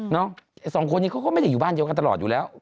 เนาะไอ้๒คนนี้เขาก็ไม่ได้อยู่บ้านเจอกันตลอดอยู่แล้ว